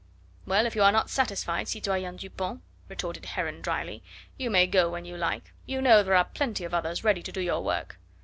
"Well, if you are not satisfied, citoyen Dupont," retorted Heron dryly, "you may go when you like, you know there are plenty of others ready to do your work..."